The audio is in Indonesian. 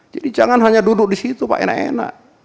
jadi jangan hanya duduk di situ pak nan